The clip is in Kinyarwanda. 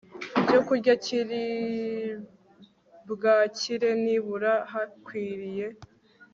byokurya kiri bwakire Nibura hakwiriye